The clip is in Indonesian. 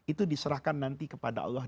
itu diserahkan nanti kepada allah